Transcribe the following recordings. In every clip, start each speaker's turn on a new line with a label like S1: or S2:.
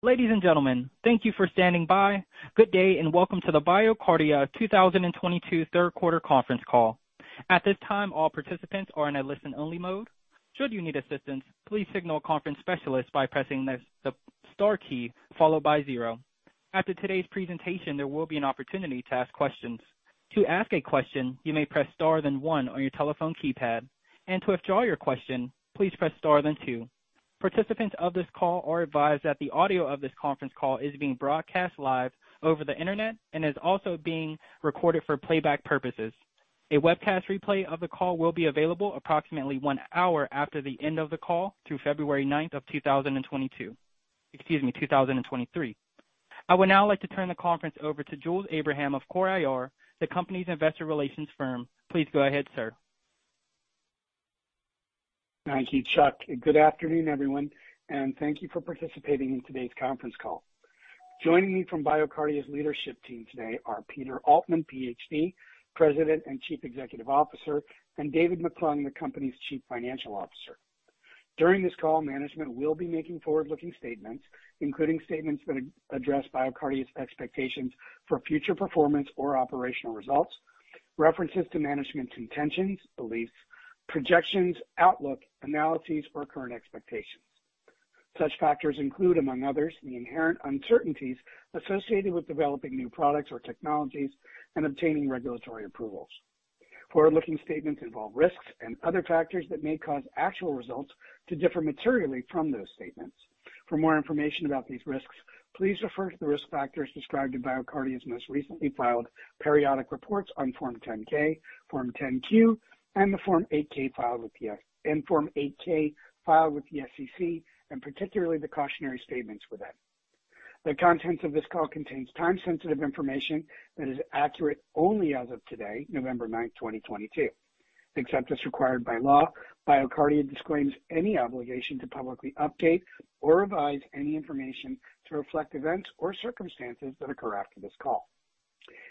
S1: Ladies and gentlemen, thank you for standing by. Good day and welcome to the BioCardia 2022 third quarter conference call. At this time, all participants are in a listen-only mode. Should you need assistance, please signal a conference specialist by pressing the star key followed by zero. After today's presentation, there will be an opportunity to ask questions. To ask a question, you may press star then one on your telephone keypad. To withdraw your question, please press star then two. Participants of this call are advised that the audio of this conference call is being broadcast live over the internet and is also being recorded for playback purposes. A webcast replay of the call will be available approximately one hour after the end of the call through February 9th of 2023. I would now like to turn the conference over to Jules Abraham of CORE IR, the company's investor relations firm. Please go ahead, sir.
S2: Thank you, Chuck. Good afternoon, everyone, and thank you for participating in today's conference call. Joining me from BioCardia's leadership team today are Peter Altman, PhD, President and Chief Executive Officer, and David McClung, the company's Chief Financial Officer. During this call, management will be making forward-looking statements, including statements that address BioCardia's expectations for future performance or operational results, references to management's intentions, beliefs, projections, outlook, analyses or current expectations. Such factors include, among others, the inherent uncertainties associated with developing new products or technologies and obtaining regulatory approvals. Forward-looking statements involve risks and other factors that may cause actual results to differ materially from those statements. For more information about these risks, please refer to the risk factors described in BioCardia's most recently filed periodic reports on Form 10-K, Form 10-Q, and the Form 8-K filed with the SEC, and particularly the cautionary statements within. The contents of this call contains time-sensitive information that is accurate only as of today, November 9, 2022. Except as required by law, BioCardia disclaims any obligation to publicly update or revise any information to reflect events or circumstances that occur after this call.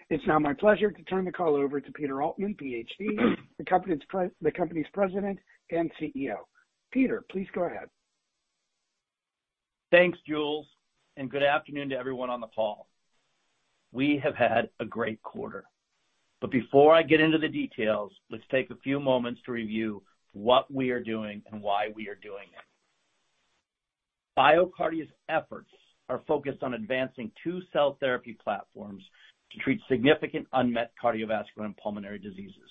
S2: It's now my pleasure to turn the call over to Peter Altman, Ph.D., the company's President and CEO. Peter, please go ahead.
S3: Thanks, Jules, and good afternoon to everyone on the call. We have had a great quarter. Before I get into the details, let's take a few moments to review what we are doing and why we are doing it. BioCardia's efforts are focused on advancing two cell therapy platforms to treat significant unmet cardiovascular and pulmonary diseases,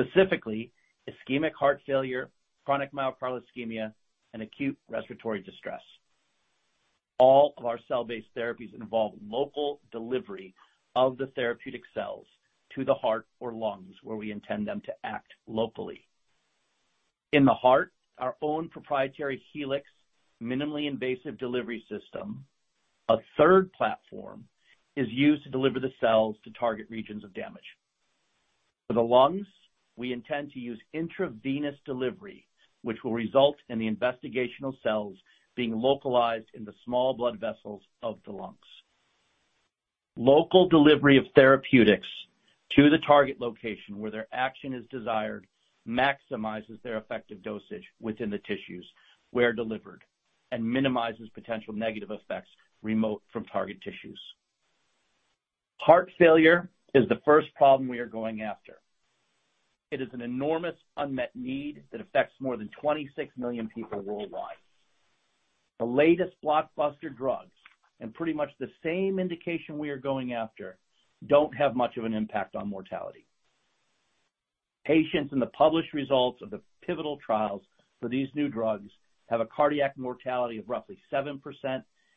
S3: specifically ischemic heart failure, chronic myocardial ischemia, and acute respiratory distress. All of our cell-based therapies involve local delivery of the therapeutic cells to the heart or lungs, where we intend them to act locally. In the heart, our own proprietary Helix minimally invasive delivery system, a third platform, is used to deliver the cells to target regions of damage. For the lungs, we intend to use intravenous delivery, which will result in the investigational cells being localized in the small blood vessels of the lungs. Local delivery of therapeutics to the target location where their action is desired maximizes their effective dosage within the tissues where delivered and minimizes potential negative effects remote from target tissues. Heart failure is the first problem we are going after. It is an enormous unmet need that affects more than 26 million people worldwide. The latest blockbuster drugs, and pretty much the same indication we are going after, don't have much of an impact on mortality. Patients in the published results of the pivotal trials for these new drugs have a cardiac mortality of roughly 7%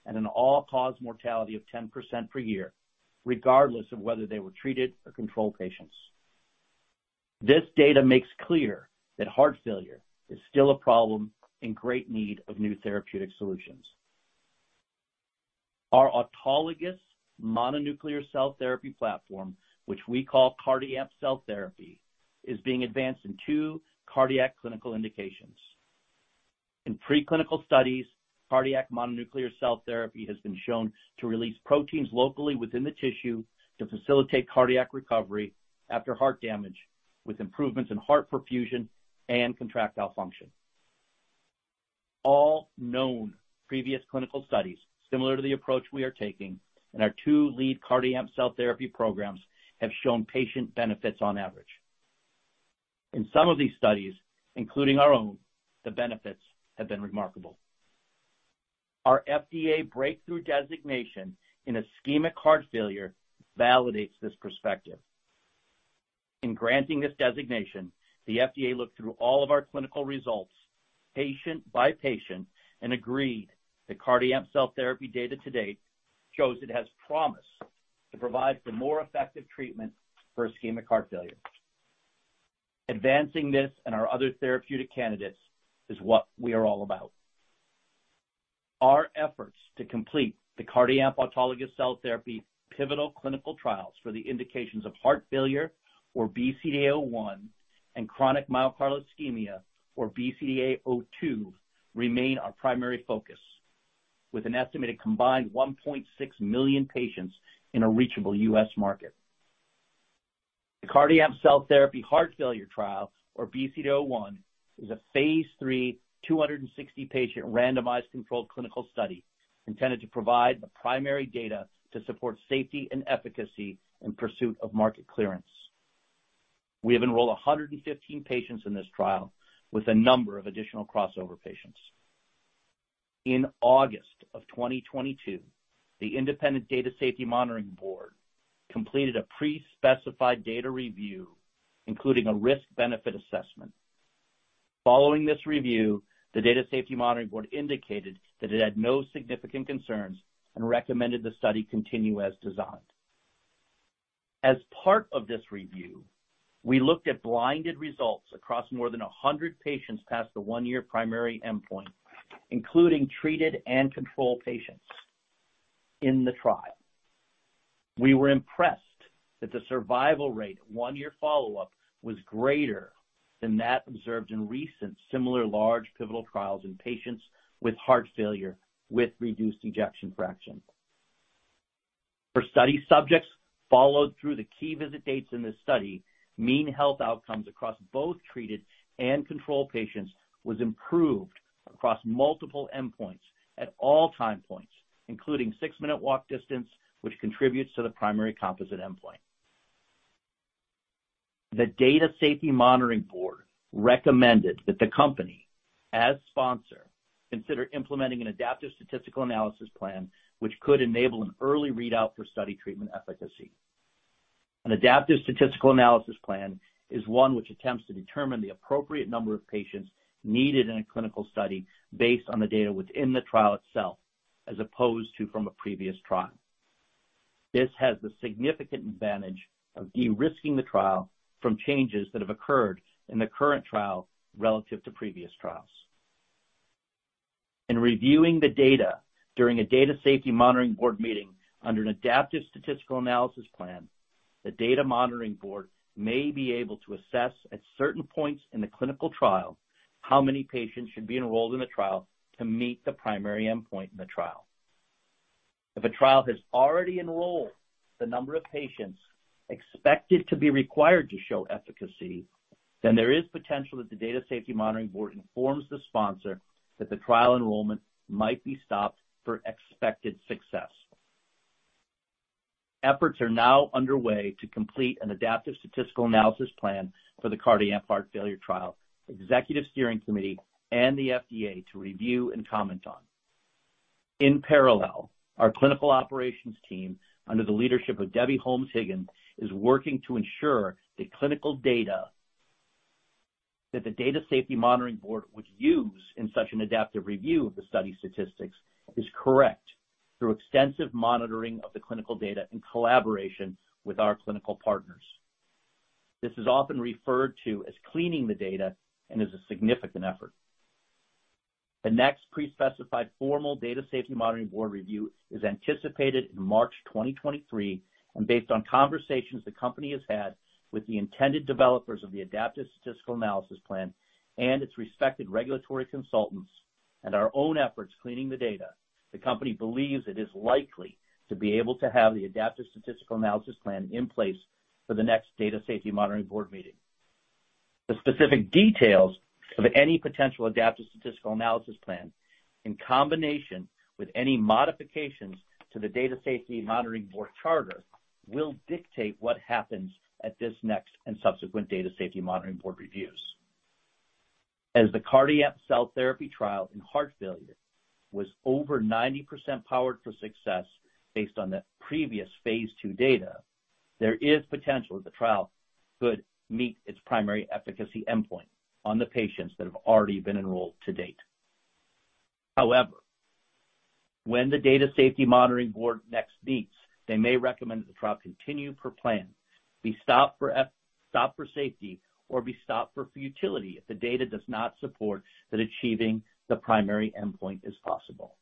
S3: and an all-cause mortality of 10% per year, regardless of whether they were treated or control patients. This data makes clear that heart failure is still a problem in great need of new therapeutic solutions. Our autologous mononuclear cell therapy platform, which we call CardiAMP cell therapy, is being advanced in two cardiac clinical indications. In pre-clinical studies, cardiac mononuclear cell therapy has been shown to release proteins locally within the tissue to facilitate cardiac recovery after heart damage, with improvements in heart perfusion and contractile function. All known previous clinical studies similar to the approach we are taking in our two lead CardiAMP cell therapy programs have shown patient benefits on average. In some of these studies, including our own, the benefits have been remarkable. Our FDA breakthrough designation in ischemic heart failure validates this perspective. In granting this designation, the FDA looked through all of our clinical results patient by patient and agreed that CardiAMP cell therapy data to date shows it has promise to provide for more effective treatment for ischemic heart failure. Advancing this and our other therapeutic candidates is what we are all about. Our efforts to complete the CardiAMP autologous cell therapy pivotal clinical trials for the indications of heart failure, or BCDA-01, and chronic myocardial ischemia, or BCDA-02, remain our primary focus, with an estimated combined 1.6 million patients in a reachable U.S. market. The CardiAMP cell therapy heart failure trial, or BCDA-01, is a phase III, 260 patient randomized controlled clinical study intended to provide the primary data to support safety and efficacy in pursuit of market clearance. We have enrolled 115 patients in this trial with a number of additional crossover patients. In August of 2022, the independent Data Safety Monitoring Board completed a pre-specified data review, including a risk-benefit assessment. Following this review, the Data Safety Monitoring Board indicated that it had no significant concerns and recommended the study continue as designed. As part of this review, we looked at blinded results across more than 100 patients past the one-year primary endpoint, including treated and controlled patients in the trial. We were impressed that the survival rate at one-year follow-up was greater than that observed in recent similar large pivotal trials in patients with heart failure with reduced ejection fraction. For study subjects followed through the key visit dates in this study, mean health outcomes across both treated and controlled patients was improved across multiple endpoints at all time points, including six-minute walk distance, which contributes to the primary composite endpoint. The Data Safety Monitoring Board recommended that the company, as sponsor, consider implementing an adaptive statistical analysis plan, which could enable an early readout for study treatment efficacy. An adaptive statistical analysis plan is one which attempts to determine the appropriate number of patients needed in a clinical study based on the data within the trial itself, as opposed to from a previous trial. This has the significant advantage of de-risking the trial from changes that have occurred in the current trial relative to previous trials. In reviewing the data during a Data Safety Monitoring Board meeting under an adaptive statistical analysis plan, the Data Monitoring Board may be able to assess at certain points in the clinical trial how many patients should be enrolled in the trial to meet the primary endpoint in the trial. If a trial has already enrolled the number of patients expected to be required to show efficacy, then there is potential that the Data Safety Monitoring Board informs the sponsor that the trial enrollment might be stopped for expected success. Efforts are now underway to complete an adaptive statistical analysis plan for the CardiAMP heart failure trial executive steering committee and the FDA to review and comment on. In parallel, our clinical operations team, under the leadership of Debby Holmes-Higgin, is working to ensure the clinical data that the Data Safety Monitoring Board would use in such an adaptive review of the study statistics is correct through extensive monitoring of the clinical data in collaboration with our clinical partners. This is often referred to as cleaning the data and is a significant effort. The next pre-specified formal Data Safety Monitoring Board review is anticipated in March 2023, and based on conversations the company has had with the intended developers of the adaptive statistical analysis plan and its respective regulatory consultants and our own efforts cleaning the data, the company believes it is likely to be able to have the adaptive statistical analysis plan in place for the next Data Safety Monitoring Board meeting. The specific details of any potential adaptive statistical analysis plan, in combination with any modifications to the Data Safety Monitoring Board charter, will dictate what happens at this next and subsequent Data Safety Monitoring Board reviews. As the CardiAMP cell therapy trial in heart failure was over 90% powered for success based on the previous phase II data, there is potential that the trial could meet its primary efficacy endpoint on the patients that have already been enrolled to date. However, when the Data Safety Monitoring Board next meets, they may recommend that the trial continue per plan, be stopped for safety, or be stopped for futility if the data does not support that achieving the primary endpoint is possible.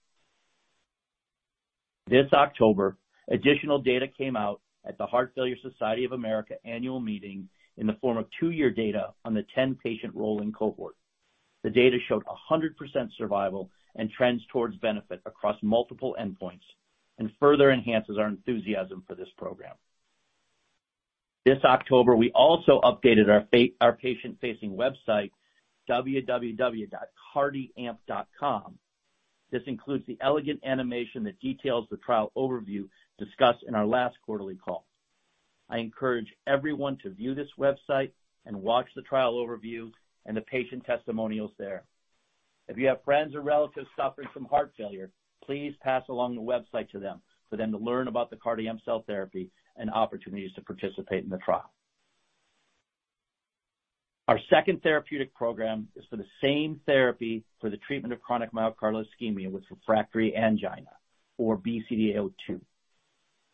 S3: This October, additional data came out at the Heart Failure Society of America annual meeting in the form of two-year data on the 10-patient rolling cohort. The data showed 100% survival and trends towards benefit across multiple endpoints and further enhances our enthusiasm for this program. This October, we also updated our patient-facing website, www.cardiamp.com. This includes the elegant animation that details the trial overview discussed in our last quarterly call. I encourage everyone to view this website and watch the trial overview and the patient testimonials there. If you have friends or relatives suffering from heart failure, please pass along the website to them for them to learn about the CardiAMP cell therapy and opportunities to participate in the trial. Our second therapeutic program is for the same therapy for the treatment of chronic myocardial ischemia with refractory angina, or BCDA-02.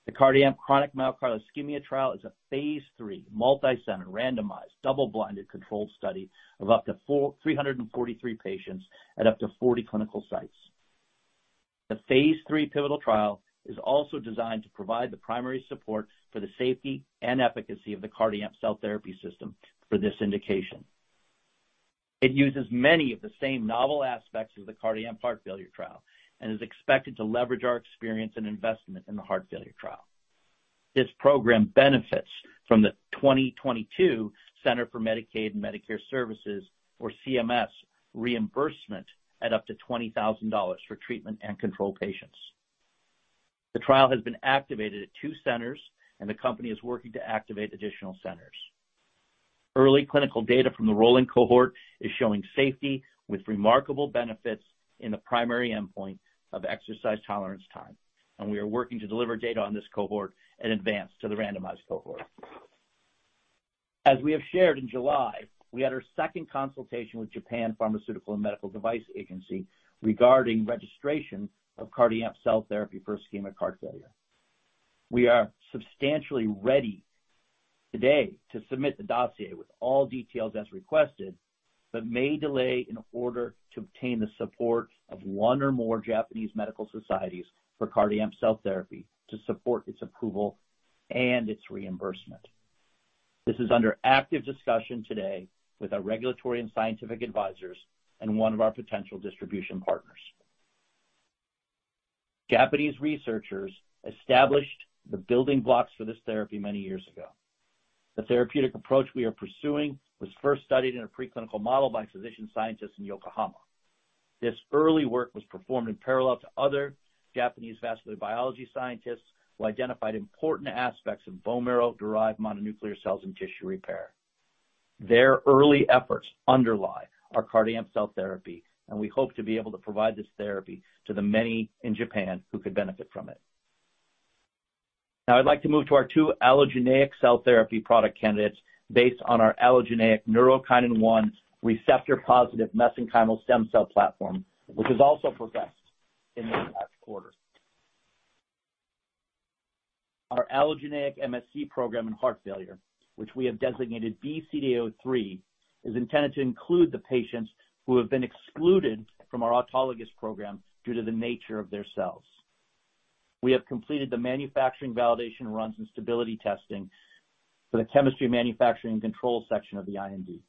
S3: The CardiAMP chronic myocardial ischemia trial is a phase III multi-center randomized double-blinded controlled study of up to 343 patients at up to 40 clinical sites. The phase III pivotal trial is also designed to provide the primary support for the safety and efficacy of the CardiAMP cell therapy system for this indication. It uses many of the same novel aspects of the CardiAMP heart failure trial and is expected to leverage our experience and investment in the heart failure trial. This program benefits from the 2022 Centers for Medicare & Medicaid Services, or CMS, reimbursement at up to $20,000 for treatment and control patients. The trial has been activated at two centers, and the company is working to activate additional centers. Early clinical data from the rolling cohort is showing safety with remarkable benefits in the primary endpoint of exercise tolerance time, and we are working to deliver data on this cohort in advance to the randomized cohort. As we have shared in July, we had our second consultation with Japan Pharmaceuticals and Medical Devices Agency regarding registration of CardiAMP cell therapy for ischemic heart failure. We are substantially ready today to submit the dossier with all details as requested, but may delay in order to obtain the support of one or more Japanese medical societies for CardiAMP cell therapy to support its approval and its reimbursement. This is under active discussion today with our regulatory and scientific advisors and one of our potential distribution partners. Japanese researchers established the building blocks for this therapy many years ago. The therapeutic approach we are pursuing was first studied in a preclinical model by physician scientists in Yokohama. This early work was performed in parallel to other Japanese vascular biology scientists who identified important aspects of bone marrow-derived mononuclear cells and tissue repair. Their early efforts underlie our CardiAMP cell therapy, and we hope to be able to provide this therapy to the many in Japan who could benefit from it. Now, I'd like to move to our two allogeneic cell therapy product candidates based on our allogeneic neurokinin 1 receptor-positive mesenchymal stem cell platform, which was also progressed in this last quarter. Our allogeneic MSC program in heart failure, which we have designated BCDA-03, is intended to include the patients who have been excluded from our autologous program due to the nature of their cells. We have completed the manufacturing validation runs and stability testing for the chemistry manufacturing and control section of the IND.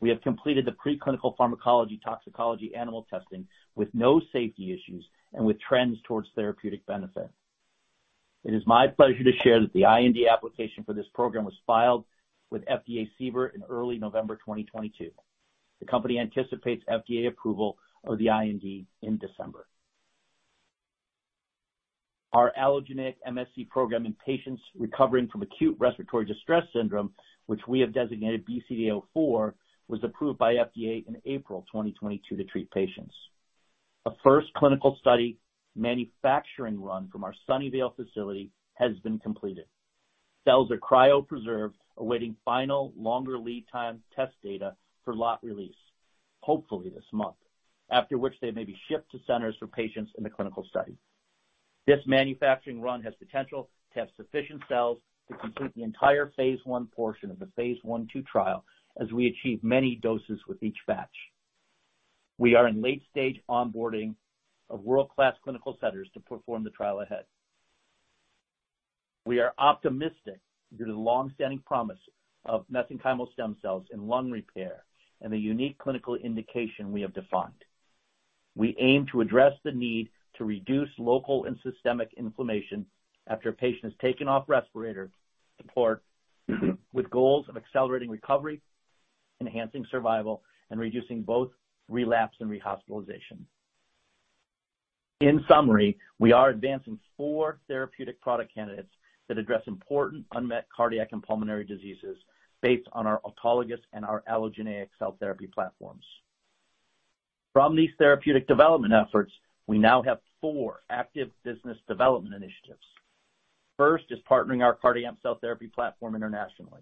S3: We have completed the preclinical pharmacology toxicology animal testing with no safety issues and with trends towards therapeutic benefit. It is my pleasure to share that the IND application for this program was filed with FDA CBER in early November 2022. The company anticipates FDA approval of the IND in December. Our allogeneic MSC program in patients recovering from acute respiratory distress syndrome, which we have designated BCDA-04, was approved by FDA in April 2022 to treat patients. A first clinical study manufacturing run from our Sunnyvale facility has been completed. Cells are cryopreserved, awaiting final longer lead time test data for lot release, hopefully this month, after which they may be shipped to centers for patients in the clinical study. This manufacturing run has potential to have sufficient cells to complete the entire phase I portion of the phase I/II trial as we achieve many doses with each batch. We are in late-stage onboarding of world-class clinical centers to perform the trial ahead. We are optimistic due to the longstanding promise of mesenchymal stem cells in lung repair and the unique clinical indication we have defined. We aim to address the need to reduce local and systemic inflammation after a patient has taken off respirator support with goals of accelerating recovery, enhancing survival, and reducing both relapse and rehospitalization. In summary, we are advancing four therapeutic product candidates that address important unmet cardiac and pulmonary diseases based on our autologous and our allogeneic cell therapy platforms. From these therapeutic development efforts, we now have four active business development initiatives. First is partnering our CardiAMP cell therapy platform internationally.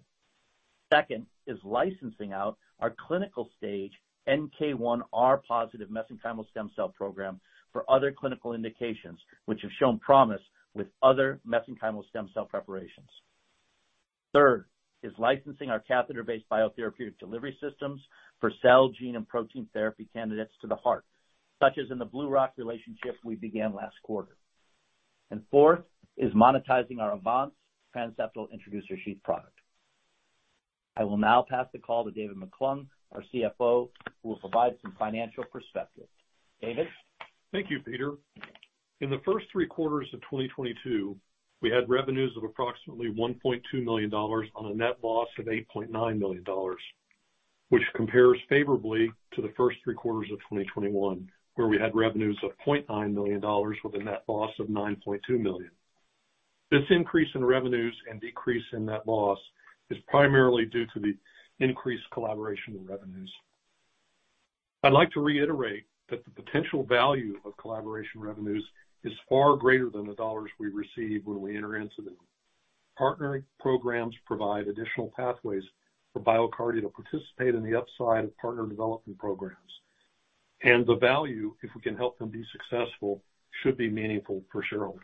S3: Second is licensing out our clinical-stage NK1R+ mesenchymal stem cell program for other clinical indications which have shown promise with other mesenchymal stem cell preparations. Third is licensing our catheter-based biotherapeutic delivery systems for cell gene and protein therapy candidates to the heart, such as in the BlueRock relationship we began last quarter. Fourth is monetizing our Avance Transseptal Introducer Sheath Product. I will now pass the call to David McClung, our CFO, who will provide some financial perspective. David?
S4: Thank you, Peter. In the first three quarters of 2022, we had revenues of approximately $1.2 million on a net loss of $8.9 million, which compares favorably to the first three quarters of 2021, where we had revenues of $0.9 million with a net loss of $9.2 million. This increase in revenues and decrease in net loss is primarily due to the increased collaboration revenues. I'd like to reiterate that the potential value of collaboration revenues is far greater than the dollars we receive when we enter into them. Partnering programs provide additional pathways for BioCardia to participate in the upside of partner development programs. The value, if we can help them be successful, should be meaningful for shareholders.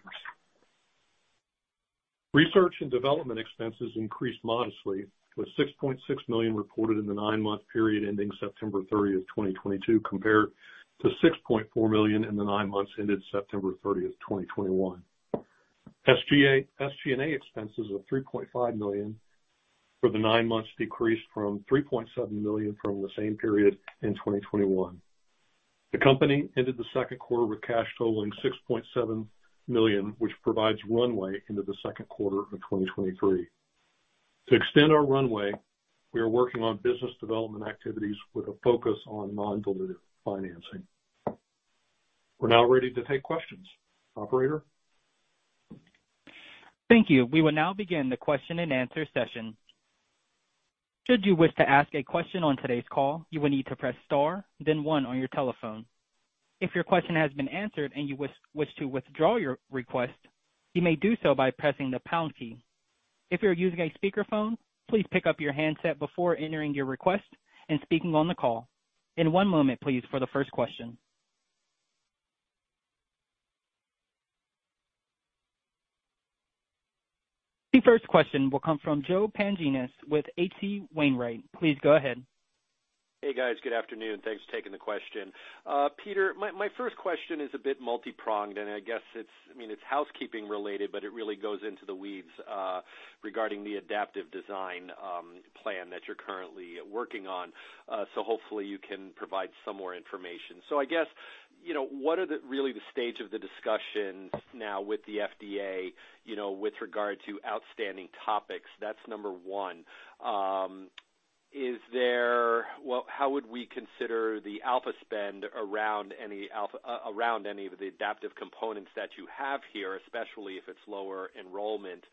S4: Research and development expenses increased modestly, with $6.6 million reported in the nine-month period ending September 30th, 2022, compared to $6.4 million in the nine months ended September 30th, 2021. SG&A expenses of $3.5 million for the nine months decreased from $3.7 million from the same period in 2021. The company ended the second quarter with cash totaling $6.7 million, which provides runway into the second quarter of 2023. To extend our runway, we are working on business development activities with a focus on non-dilutive financing. We're now ready to take questions. Operator?
S1: Thank you. We will now begin the question-and-answer session. Should you wish to ask a question on today's call, you will need to press star then one on your telephone. If your question has been answered and you wish to withdraw your request, you may do so by pressing the pound key. If you're using a speakerphone, please pick up your handset before entering your request and speaking on the call. In one moment, please, for the first question. The first question will come from Joe Pantginis with H.C. Wainwright. Please go ahead.
S5: Hey, guys. Good afternoon. Thanks for taking the question. Peter, my first question is a bit multi-pronged, and it's housekeeping related, but it really goes into the weeds regarding the adaptive design plan that you're currently working on. Hopefully you can provide some more information. You know, what is really the stage of the discussions now with the FDA, you know, with regard to outstanding topics? That's number one. Well, how would we consider the alpha spend around any of the adaptive components that you have here, especially if it's lower enrollment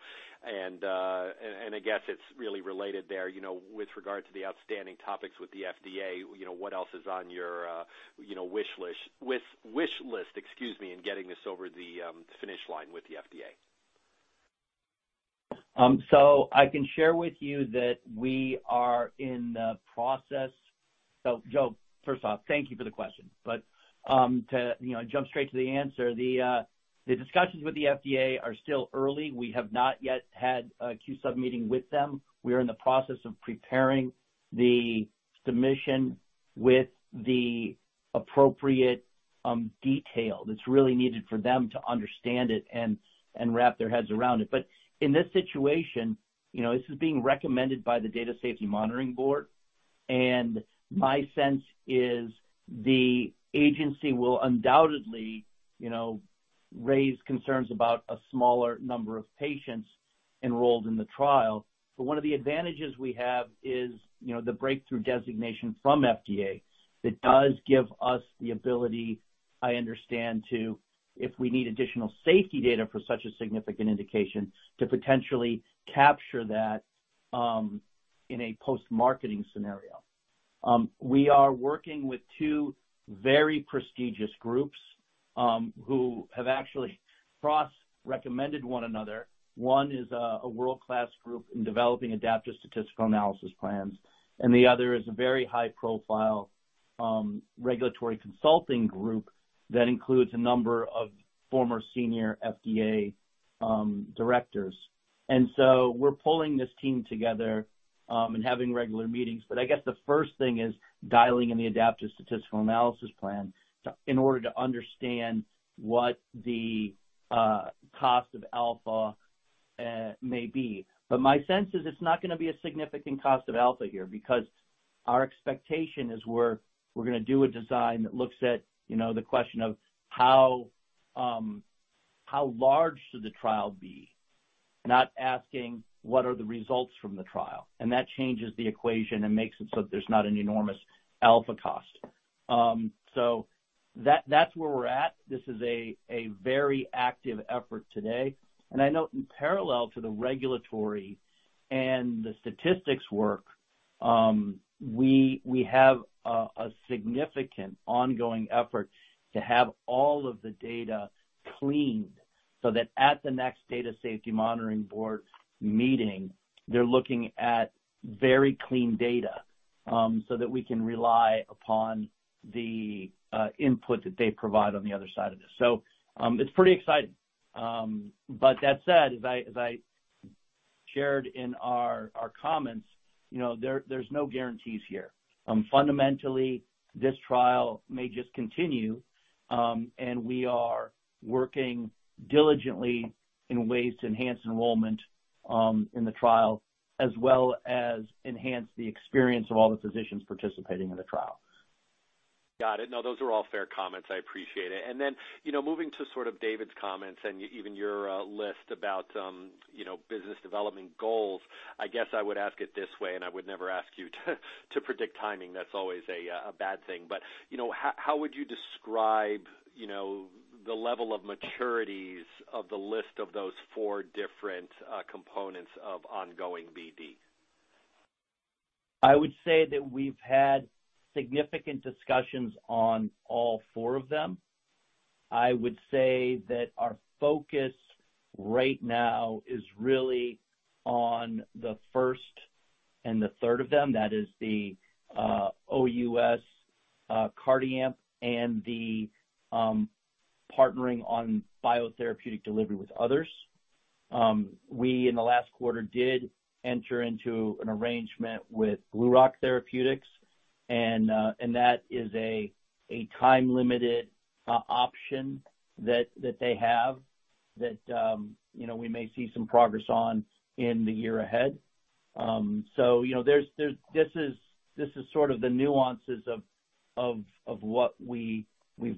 S5: and I guess it's really related there, you know, with regard to the outstanding topics with the FDA, you know, what else is on your, you know, wish list, excuse me, in getting this over the finish line with the FDA?
S3: I can share with you that we are in the process. Joe, first off, thank you for the question, but, to, you know, jump straight to the answer, the discussions with the FDA are still early. We have not yet had a Q-Sub meeting with them. We are in the process of preparing the submission with the appropriate detail that's really needed for them to understand it and wrap their heads around it. In this situation, you know, this is being recommended by the Data Safety Monitoring Board, and my sense is the agency will undoubtedly, you know, raise concerns about a smaller number of patients enrolled in the trial. One of the advantages we have is, you know, the breakthrough designation from FDA. It does give us the ability, I understand, to, if we need additional safety data for such a significant indication, to potentially capture that, in a post-marketing scenario. We are working with two very prestigious groups, who have actually cross-recommended one another. One is a world-class group in developing adaptive statistical analysis plans, and the other is a very high-profile regulatory consulting group that includes a number of former senior FDA directors. We're pulling this team together, and having regular meetings. I guess the first thing is dialing in the adaptive statistical analysis plan in order to understand what the cost of alpha may be. My sense is it's not gonna be a significant cost of alpha here because our expectation is we're gonna do a design that looks at, you know, the question of how large should the trial be, not asking what are the results from the trial. That changes the equation and makes it so that there's not an enormous alpha cost. That, that's where we're at. This is a very active effort today. I know in parallel to the regulatory and the statistics work, we have a significant ongoing effort to have all of the data cleaned so that at the next Data Safety Monitoring Board meeting, they're looking at very clean data, so that we can rely upon the input that they provide on the other side of this. It's pretty exciting. That said, as I shared in our comments, you know, there's no guarantees here. Fundamentally, this trial may just continue, and we are working diligently in ways to enhance enrollment in the trial, as well as enhance the experience of all the physicians participating in the trial.
S5: Got it. No, those are all fair comments. I appreciate it. You know, moving to sort of David's comments and even your list about, you know, business development goals, I guess I would ask it this way, and I would never ask you to predict timing. That's always a bad thing. You know, how would you describe, you know, the level of maturities of the list of those four different components of ongoing BD?
S3: I would say that we've had significant discussions on all four of them. I would say that our focus right now is really on the first and the third of them. That is the OUS CardiAMP and the partnering on biotherapeutic delivery with others. We in the last quarter did enter into an arrangement with BlueRock Therapeutics. That is a time-limited option that they have that you know, we may see some progress on in the year ahead. You know, this is sort of the nuances of what we've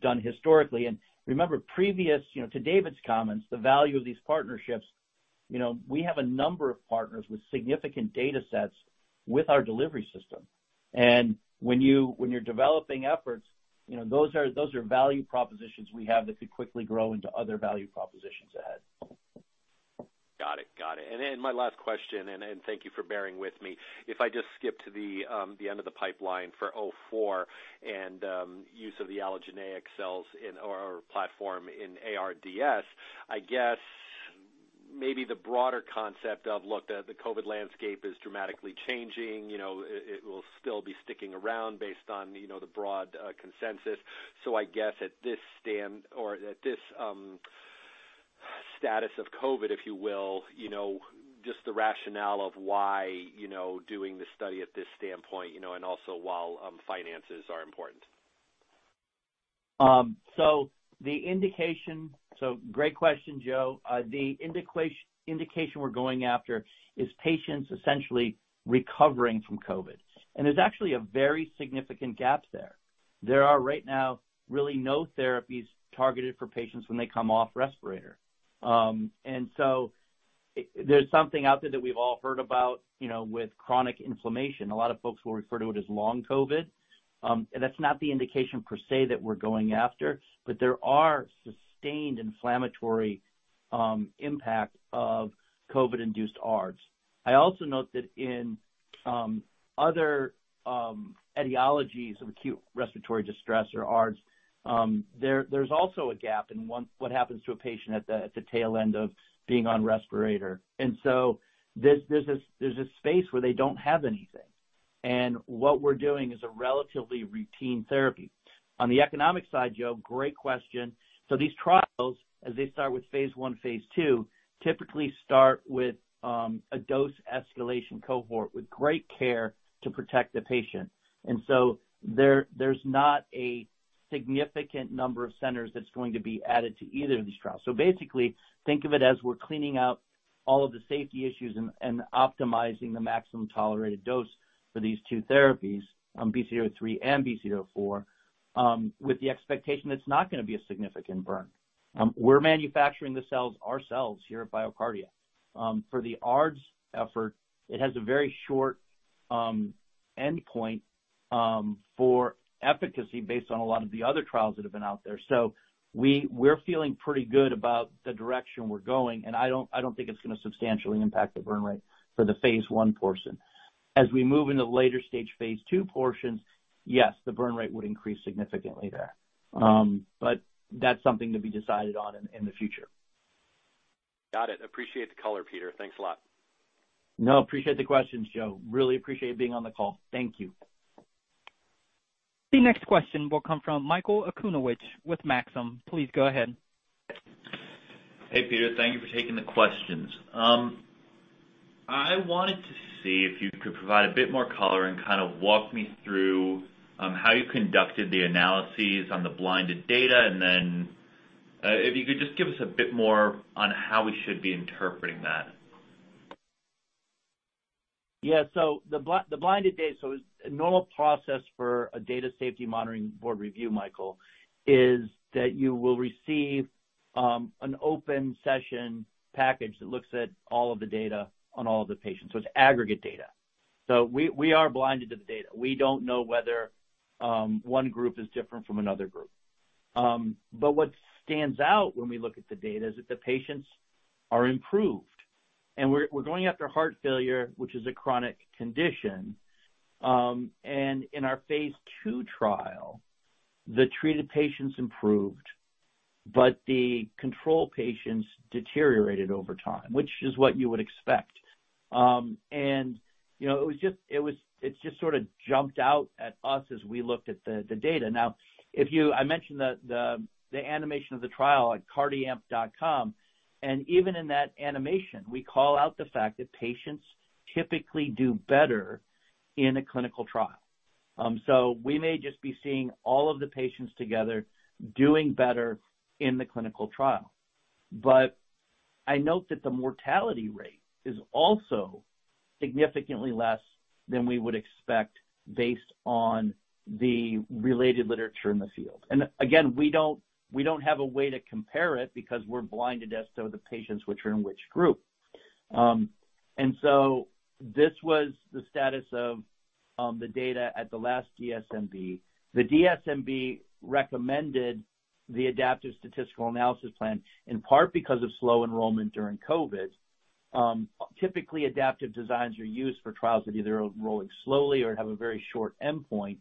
S3: done historically. Remember previously, you know, to David's comments, the value of these partnerships, you know, we have a number of partners with significant data sets with our delivery system. When you're developing efforts, you know, those are value propositions we have that could quickly grow into other value propositions ahead.
S5: Got it. My last question, and thank you for bearing with me. If I just skip to the end of the pipeline for BCDA-04 and use of the allogeneic cells or platform in ARDS, I guess maybe the broader concept of look, the COVID landscape is dramatically changing. You know, it will still be sticking around based on the broad consensus. I guess at this stand or at this status of COVID, if you will, you know, just the rationale of why doing this study at this standpoint, you know, and also while finances are important.
S3: Great question, Joe. The indication we're going after is patients essentially recovering from COVID. There's actually a very significant gap there. There are right now really no therapies targeted for patients when they come off respirator. There's something out there that we've all heard about, you know, with chronic inflammation. A lot of folks will refer to it as long COVID, and that's not the indication per se that we're going after. There are sustained inflammatory impact of COVID-induced ARDS. I also note that in other etiologies of acute respiratory distress or ARDS, there's also a gap in what happens to a patient at the tail end of being on respirator. There's a space where they don't have anything. What we're doing is a relatively routine therapy. On the economic side, Joe, great question. These trials, as they start with phase I, phase II, typically start with a dose escalation cohort with great care to protect the patient. There's not a significant number of centers that's going to be added to either of these trials. Basically, think of it as we're cleaning up all of the safety issues and optimizing the maximum tolerated dose for these two therapies, BCDA-03 and BCDA-04, with the expectation it's not gonna be a significant burn. We're manufacturing the cells ourselves here at BioCardia. For the ARDS effort, it has a very short endpoint for efficacy based on a lot of the other trials that have been out there. We're feeling pretty good about the direction we're going, and I don't think it's gonna substantially impact the burn rate for the phase I portion. As we move into later stage phase II portions, yes, the burn rate would increase significantly there. That's something to be decided on in the future.
S5: Got it. Appreciate the color, Peter. Thanks a lot.
S3: No, appreciate the questions, Joe. Really appreciate you being on the call. Thank you.
S1: The next question will come from Michael Okunewitch with Maxim. Please go ahead.
S6: Hey, Peter. Thank you for taking the questions. I wanted to see if you could provide a bit more color and kind of walk me through how you conducted the analyses on the blinded data, and then if you could just give us a bit more on how we should be interpreting that.
S3: Yeah. The blinded data, a normal process for a Data Safety Monitoring Board review, Michael, is that you will receive an open session package that looks at all of the data on all of the patients. It's aggregate data. We are blinded to the data. We don't know whether one group is different from another group. But what stands out when we look at the data is that the patients are improved. We're going after heart failure, which is a chronic condition. In our phase II trial, the treated patients improved, but the control patients deteriorated over time, which is what you would expect. You know, it just sort of jumped out at us as we looked at the data. I mentioned the animation of the trial at cardiamp.com, and even in that animation, we call out the fact that patients typically do better in a clinical trial. We may just be seeing all of the patients together doing better in the clinical trial. I note that the mortality rate is also significantly less than we would expect based on the related literature in the field. Again, we don't have a way to compare it because we're blinded as to the patients which are in which group. This was the status of the data at the last DSMB. The DSMB recommended the adaptive statistical analysis plan in part because of slow enrollment during COVID. Typically adaptive designs are used for trials that either are enrolling slowly or have a very short endpoint.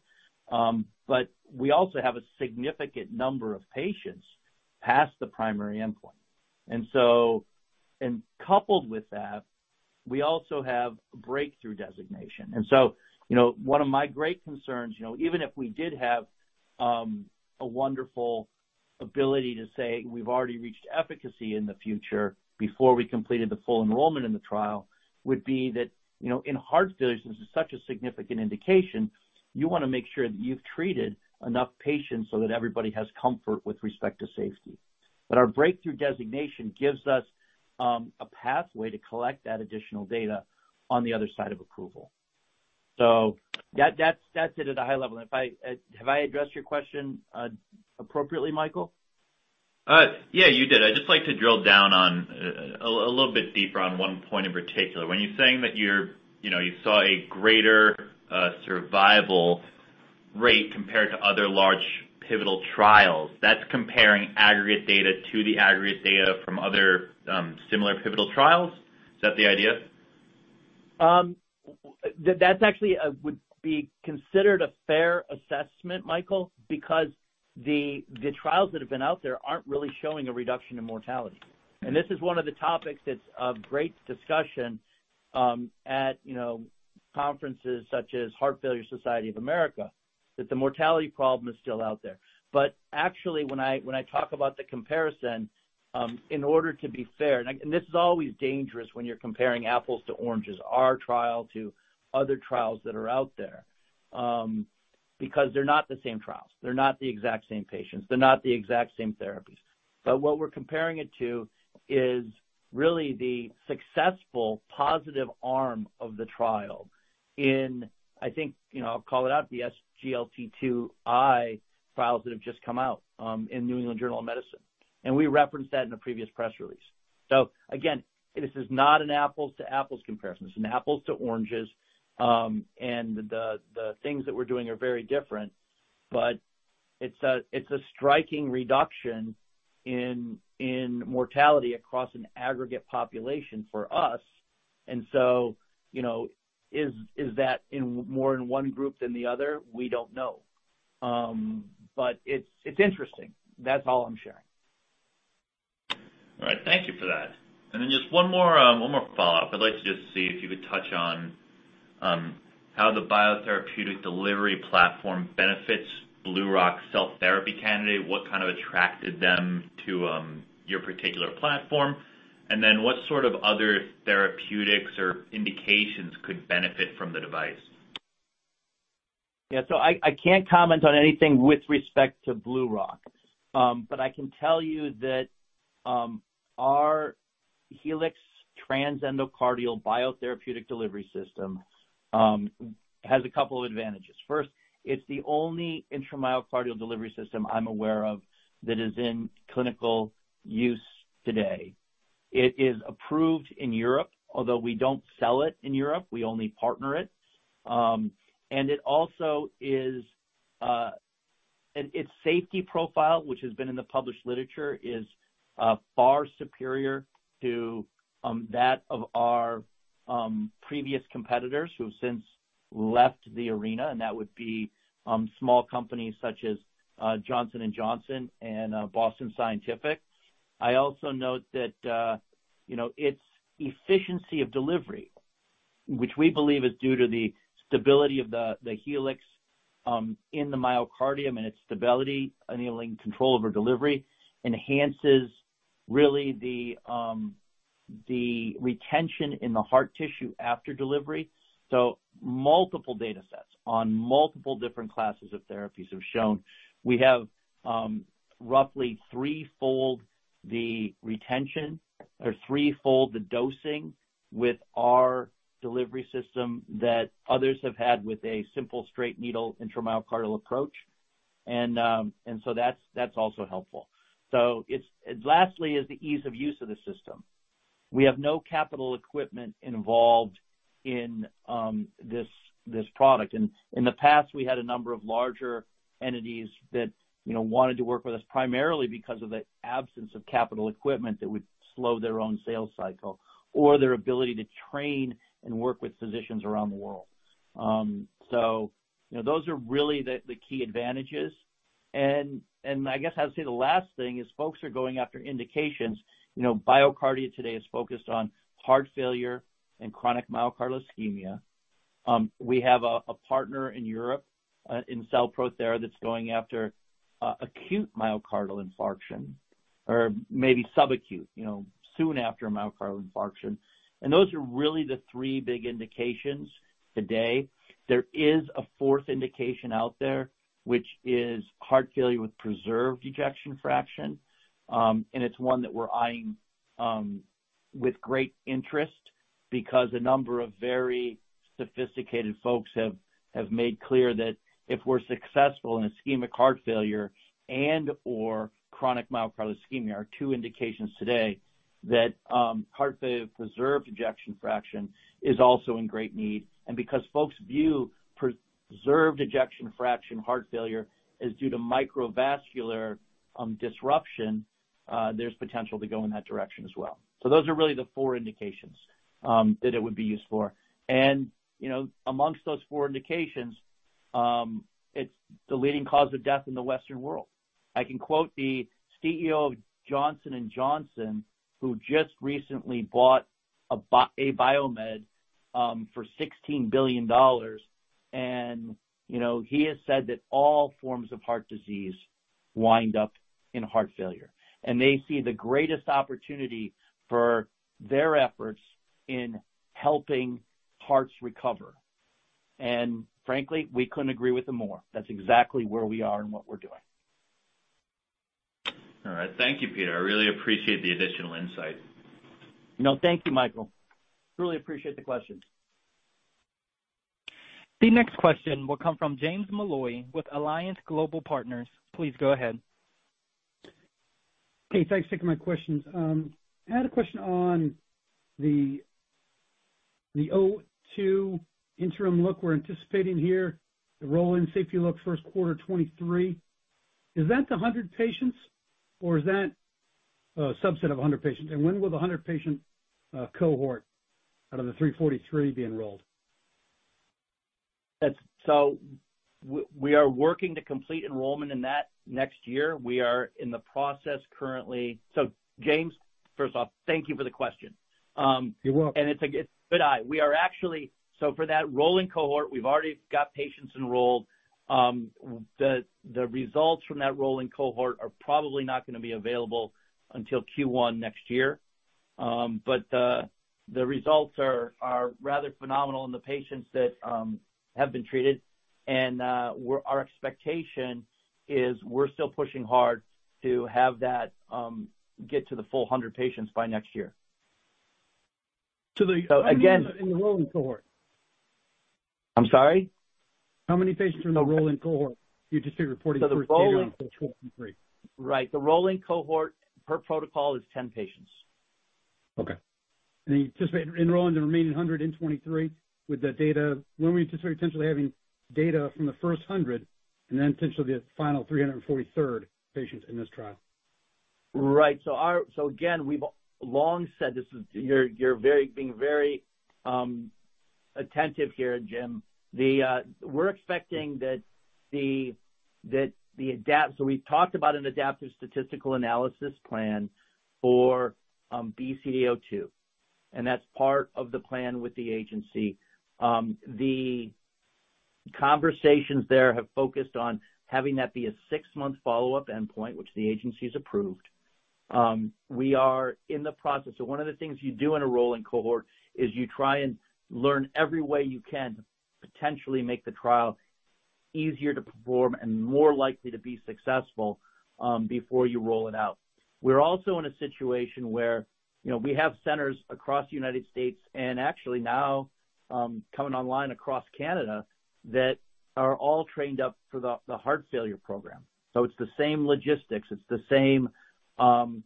S3: We also have a significant number of patients past the primary endpoint. Coupled with that, we also have breakthrough designation. You know, one of my great concerns, you know, even if we did have a wonderful ability to say we've already reached efficacy in the future before we completed the full enrollment in the trial would be that, you know, in heart failure, this is such a significant indication, you wanna make sure that you've treated enough patients so that everybody has comfort with respect to safety. Our breakthrough designation gives us a pathway to collect that additional data on the other side of approval. So that's it at a high level. Have I addressed your question appropriately, Michael?
S6: Yeah, you did. I'd just like to drill down on a little bit deeper on one point in particular. When you're saying that you're, you know, you saw a greater survival rate compared to other large pivotal trials, that's comparing aggregate data to the aggregate data from other similar pivotal trials. Is that the idea?
S3: That's actually would be considered a fair assessment, Michael, because the trials that have been out there aren't really showing a reduction in mortality. This is one of the topics that's of great discussion at you know conferences such as Heart Failure Society of America, that the mortality problem is still out there. Actually when I talk about the comparison in order to be fair, and this is always dangerous when you're comparing apples to oranges, our trial to other trials that are out there, because they're not the same trials. They're not the exact same patients. They're not the exact same therapies. What we're comparing it to is really the successful positive arm of the trial in, I think, you know, I'll call it out, the SGLT2i trials that have just come out in New England Journal of Medicine. We referenced that in a previous press release. Again, this is not an apples to apples comparison. It's an apples to oranges. The things that we're doing are very different, but it's a striking reduction in mortality across an aggregate population for us. You know, is that more in one group than the other? We don't know. It's interesting. That's all I'm sharing.
S6: All right. Thank you for that. Just one more follow-up. I'd like to just see if you could touch on how the biotherapeutic delivery platform benefits BlueRock's cell therapy candidate. What kind of attracted them to your particular platform? What sort of other therapeutics or indications could benefit from the device?
S3: Yeah. I can't comment on anything with respect to BlueRock. I can tell you that our Helix transendocardial biotherapeutic delivery system has a couple of advantages. First, it's the only intramyocardial delivery system I'm aware of that is in clinical use today. It is approved in Europe, although we don't sell it in Europe, we only partner it. It also is its safety profile, which has been in the published literature, is far superior to that of our previous competitors who have since left the arena, and that would be small companies such as Johnson & Johnson and Boston Scientific. I also note that, you know, its efficiency of delivery, which we believe is due to the stability of the Helix in the myocardium and its stability, enabling control over delivery, enhances really the retention in the heart tissue after delivery. Multiple data sets on multiple different classes of therapies have shown we have roughly threefold the retention or threefold the dosing with our delivery system that others have had with a simple straight needle intramyocardial approach. That's also helpful. Lastly is the ease of use of the system. We have no capital equipment involved in this product. In the past, we had a number of larger entities that, you know, wanted to work with us primarily because of the absence of capital equipment that would slow their own sales cycle or their ability to train and work with physicians around the world. You know, those are really the key advantages. I guess I'd say the last thing is folks are going after indications. You know, BioCardia today is focused on heart failure and chronic myocardial ischemia. We have a partner in Europe in CellProthera that's going after acute myocardial infarction or maybe subacute, you know, soon after a myocardial infarction. Those are really the three big indications today. There is a fourth indication out there, which is heart failure with preserved ejection fraction. It's one that we're eyeing with great interest because a number of very sophisticated folks have made clear that if we're successful in ischemic heart failure and/or chronic myocardial ischemia are two indications today, that heart failure with preserved ejection fraction is also in great need. Because folks view preserved ejection fraction heart failure as due to microvascular disruption, there's potential to go in that direction as well. Those are really the four indications that it would be used for. You know, amongst those four indications, it's the leading cause of death in the Western world. I can quote the CEO of Johnson & Johnson, who just recently bought Abiomed for $16 billion. You know, he has said that all forms of heart disease wind up in heart failure, and they see the greatest opportunity for their efforts in helping hearts recover. Frankly, we couldn't agree with them more. That's exactly where we are and what we're doing.
S6: All right. Thank you, Peter. I really appreciate the additional insight.
S3: No, thank you, Michael. Truly appreciate the question.
S1: The next question will come from James Molloy with Alliance Global Partners. Please go ahead.
S7: Okay, thanks for taking my questions. I had a question on the O2 interim look we're anticipating here, the roll-in safety look first quarter 2023. Is that the 100 patients or is that a subset of 100 patients? When will the 100 patient cohort out of the 343 be enrolled?
S3: We are working to complete enrollment in that next year. We are in the process currently. James, first off, thank you for the question.
S7: You're welcome.
S3: It's a good eye. For that rolling cohort, we've already got patients enrolled. The results from that rolling cohort are probably not gonna be available until Q1 next year. The results are rather phenomenal in the patients that have been treated and our expectation is we're still pushing hard to have that get to the full 100 patients by next year.
S7: So the-
S3: Again.
S7: How many are in the rolling cohort?
S3: I'm sorry?
S7: How many patients are in the rolling cohort you just reported for?
S3: So the rolling-
S7: Q1 of 2023.
S3: Right. The rolling cohort per protocol is 10 patients.
S7: Okay. You anticipate enrolling the remaining 100 in 2023 with the data. When are we considering potentially having data from the first 100 and then potentially the final 343 patients in this trial?
S3: Right. Again, we've long said this is. You're being very attentive here, Jim. We've talked about an adaptive statistical analysis plan for BCDA-02, and that's part of the plan with the agency. Conversations there have focussed having that be a six month follow up endpoint, which the agencies approved. We are in the process. One of the things you do in a rolling cohort is you try and learn every way you can to potentially make the trial easier to perform and more likely to be successful before you roll it out. We're also in a situation where, you know, we have centers across the United States and actually now coming online across Canada, that are all trained up for the heart failure program. It's the same logistics, it's the same,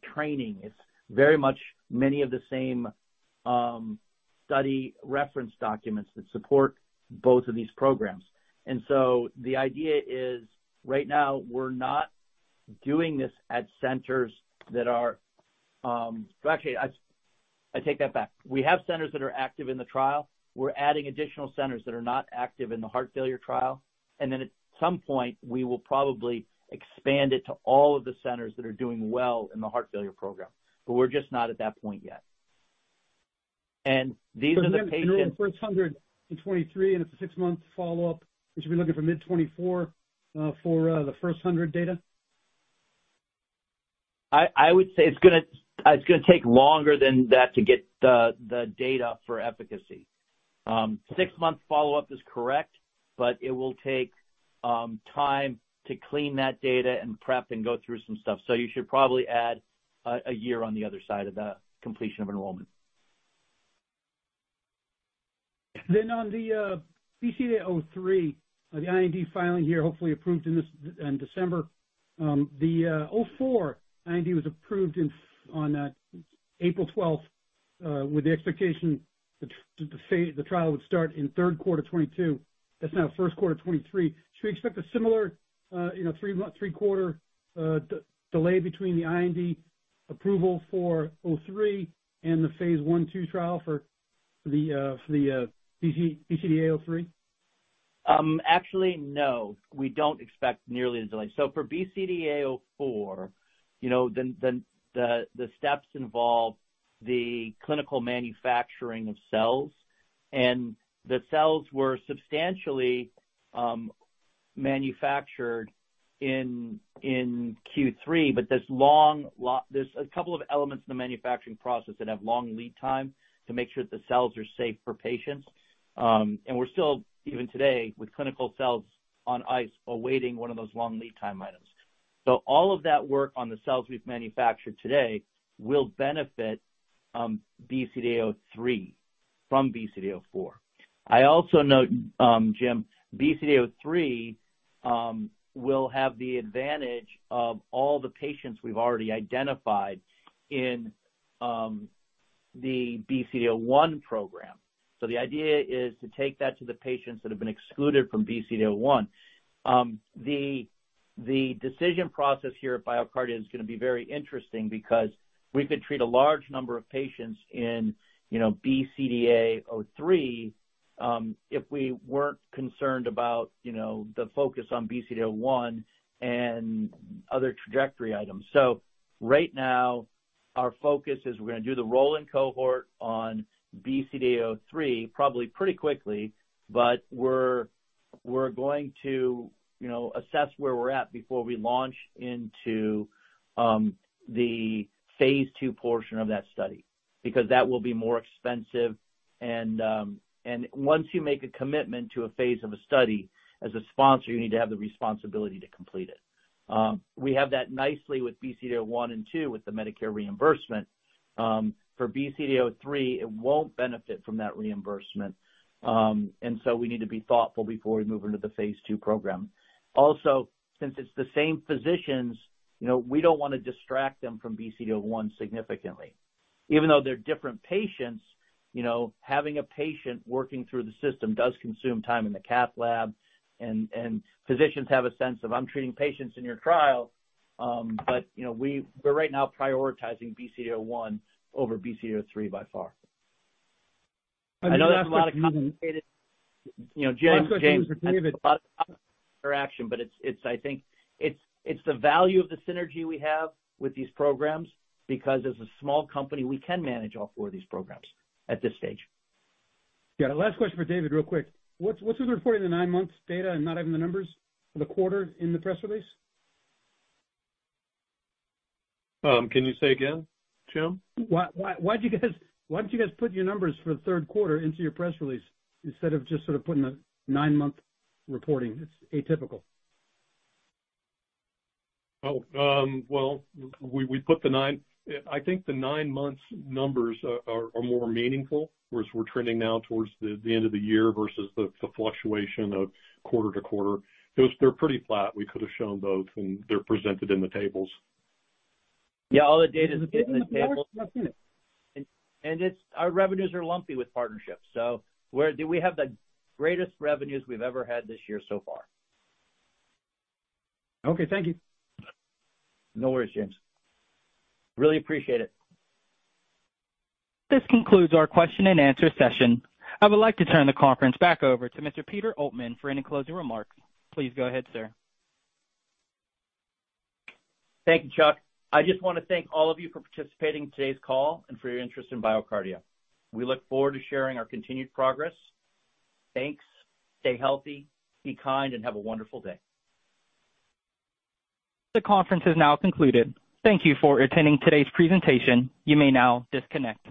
S3: training. It's very much many of the same, study reference documents that support both of these programs. The idea is, right now, we're not doing this at centers that are. Well, actually I take that back. We have centers that are active in the trial. We're adding additional centers that are not active in the heart failure trial. At some point, we will probably expand it to all of the centers that are doing well in the heart failure program, but we're just not at that point yet. These are the patients.
S7: So the first 100 in 2023, and it's a six-month follow-up. We should be looking for mid-2024 for the first 100 data?
S3: I would say it's gonna take longer than that to get the data for efficacy. Six-month follow-up is correct, but it will take time to clean that data and prep and go through some stuff. You should probably add a year on the other side of the completion of enrollment.
S7: On the BCDA-03, the IND filing here, hopefully approved in December. The BCDA-04 IND was approved on April 12th with the expectation that the trial would start in third quarter 2022. That's now first quarter 2023. Should we expect a similar, you know, three-quarter delay between the IND approval for BCDA-03 and the phase I/II trial for the BCDA-03?
S3: Actually, no. We don't expect nearly the delay. For BCDA-04, you know, the steps involve the clinical manufacturing of cells, and the cells were substantially manufactured in Q3. There's a couple of elements in the manufacturing process that have long lead time to make sure that the cells are safe for patients. We're still, even today, with clinical cells on ice, awaiting one of those long lead time items. All of that work on the cells we've manufactured today will benefit BCDA-03 from BCDA-04. I also note, Jim, BCDA-03 will have the advantage of all the patients we've already identified in the BCDA-01 program. The idea is to take that to the patients that have been excluded from BCDA-01. The decision process here at BioCardia is gonna be very interesting because we could treat a large number of patients in, you know, BCDA-03, if we weren't concerned about, you know, the focus on BCDA-01 and other trajectory items. So right now our focus is we're gonna do the rolling cohort on BCDA-03 probably pretty quickly, but we're going to, you know, assess where we're at before we launch into the phase II portion of that study, because that will be more expensive and once you make a commitment to a phase of a study as a sponsor, you need to have the responsibility to complete it. We have that nicely with BCDA-01 and BCDA-02 with the Medicare reimbursement. For BCDA-03, it won't benefit from that reimbursement. We need to be thoughtful before we move into the phase II program. Also, since it's the same physicians, you know, we don't wanna distract them from BCDA-01 significantly. Even though they're different patients, you know, having a patient working through the system does consume time in the cath lab. Physicians have a sense that I'm treating patients in your trial, but you know, we're right now prioritizing BCDA-01 over BCDA-03 by far. I know that's a lot of complicated. You know, James.
S7: Last question for David.
S3: I think it's the value of the synergy we have with these programs because as a small company, we can manage all four of these programs at this stage.
S7: Yeah. Last question for David, real quick. What's with reporting the nine months data and not having the numbers for the quarter in the press release?
S4: Can you say again, Jim?
S7: Why don't you guys put your numbers for the third quarter into your press release instead of just sort of putting a nine-month reporting? It's atypical.
S4: I think the nine months numbers are more meaningful, whereas we're trending now towards the end of the year versus the fluctuation of quarter to quarter. They're pretty flat. We could have shown both, and they're presented in the tables.
S3: Yeah, all the data's in the tables. It's our revenues are lumpy with partnerships. Where do we have the greatest revenues we've ever had this year so far.
S7: Okay, thank you.
S3: No worries, James. Really appreciate it.
S1: This concludes our question and answer session. I would like to turn the conference back over to Mr. Peter Altman for any closing remarks. Please go ahead, sir.
S3: Thank you, Chuck. I just wanna thank all of you for participating in today's call and for your interest in BioCardia. We look forward to sharing our continued progress. Thanks. Stay healthy, be kind, and have a wonderful day.
S1: The conference is now concluded. Thank you for attending today's presentation. You may now disconnect.